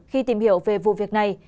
khi tìm hiểu về vụ việc này